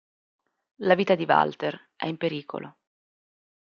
La vita di Walter è in pericolo.